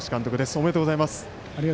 ありがとうございます。